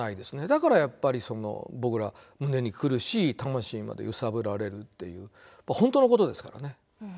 だからやっぱり僕ら胸に来るし魂まで揺さぶられるっていう本当のことですからね。